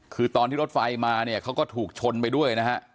คือตอนที่รถไฟมาเนี่ยเขาก็ถูกชนไปด้วยนะฮะ